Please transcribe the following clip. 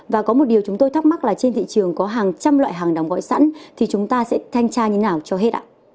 và có một điều chúng tôi thắc mắc là trên thị trường có hàng trăm loại hàng đóng gói sẵn thì chúng ta sẽ thanh tra như thế nào cho hết ạ